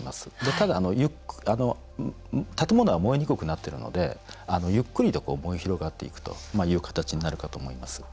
ただ、建物は燃えにくくなっているのでゆっくりと燃え広がっていくという形になっていくと思います。